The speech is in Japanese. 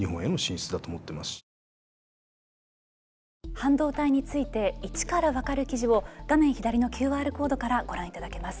半導体について一から分かる記事を画面左のＱＲコードからご覧いただけます。